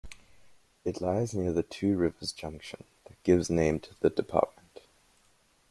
It lies near the two rivers junction that gives name to the department.